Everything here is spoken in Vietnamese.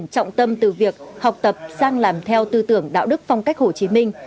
trọng tâm từ việc học tập sang làm theo tư tưởng đạo đức phong cách hồ chí minh